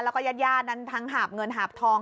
แล้วก็ญาตินั้นทั้งหาบเงินหาบทอง